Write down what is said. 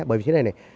bởi vì thế này này